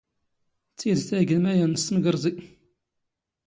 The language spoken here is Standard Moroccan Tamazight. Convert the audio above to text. ⵜⵉⴷⵜ ⴰⴷ ⵉⴳⴰ ⵎⴰⵢⴰⵏⵏ ⵙ ⵜⵎⴳⵕⵥⵉ.